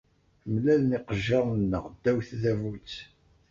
Mlalen yiqejjiren-nneɣ ddaw tdabut.